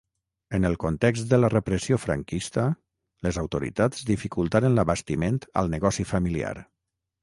En el context de la repressió franquista, les autoritats dificultaren l'abastiment al negoci familiar.